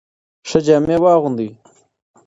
ښه جامې واغوندئ.